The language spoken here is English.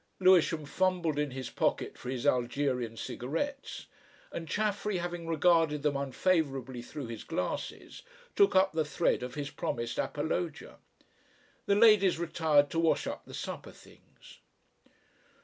Lewisham fumbled in his pocket for his Algerian cigarettes, and Chaffery having regarded them unfavourably through his glasses, took up the thread of his promised apologia. The ladies retired to wash up the supper things.